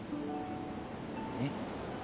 えっ？